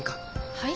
はい？